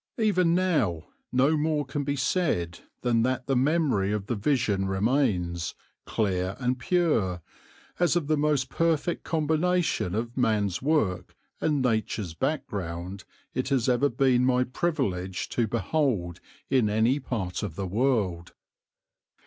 Even now no more can be said than that the memory of the vision remains, clear and pure, as of the most perfect combination of man's work and Nature's background it has ever been my privilege to behold in any part of the world.